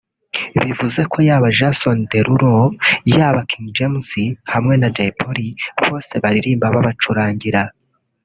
bivuze ko yaba Jason Derulo yaba King James hamwe na Jay Polly bose baririmba babacurangira